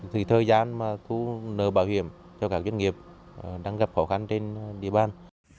thử thời gian thu nợ bảo hiểm cho các doanh nghiệp đang gặp khó khăn trên địa bàn